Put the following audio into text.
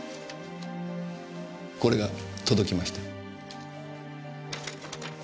これが届きました。